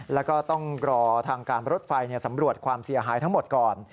แล้วก็ต้องรอทางการรถไฟสำรวจความเสียหายทั้งหมดก่อน